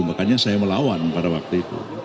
makanya saya melawan pada waktu itu